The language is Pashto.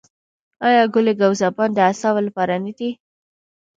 آیا ګل ګاو زبان د اعصابو لپاره نه دی؟